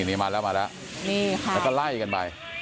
นี่มาแล้วแล้วก็ไล่กันไป